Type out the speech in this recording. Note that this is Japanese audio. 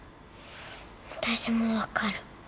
私も分かる